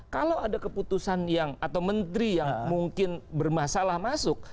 kalau ada keputusan yang atau menteri yang mungkin bermasalah masuk